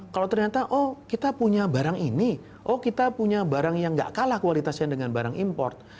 kalau ternyata oh kita punya barang ini oh kita punya barang yang gak kalah kualitasnya dengan barang import